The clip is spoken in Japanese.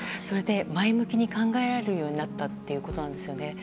それで前向きに考えられるようになったということなんです。